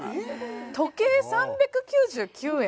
時計３９９円？